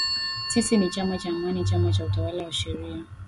Sisi ni chama cha Amani, chama cha utawala wa sheria